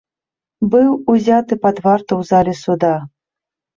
Быў узяты пад варту ў зале суда.